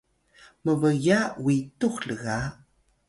mb’ya witux lga